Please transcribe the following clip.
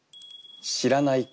「知らない子」。